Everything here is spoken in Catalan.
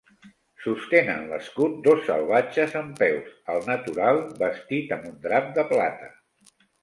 Sostenen l'escut dos salvatges, en peus, al natural, vestit amb un drap de plata.